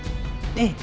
ええ。